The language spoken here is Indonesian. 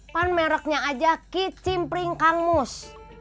kan mereknya aja kicimpring kang ibus